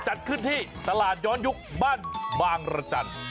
จัดขึ้นที่ตลาดย้อนยุคบ้านบางรจันทร์